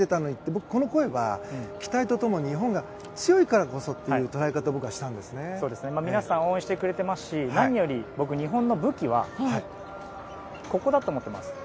僕は、この声は期待と共に日本が強いからこそという皆さん応援してくれましたし何より日本の武器はここだと思っています。